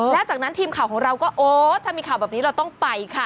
แล้วจากนั้นทีมข่าวของเราก็โอ้ถ้ามีข่าวแบบนี้เราต้องไปค่ะ